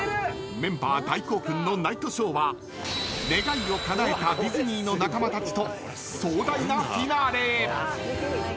［メンバー大興奮のナイトショーは願いをかなえたディズニーの仲間たちと］